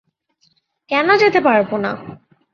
কেন যেতে পারব না?